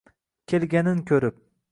Kelganin koʻrib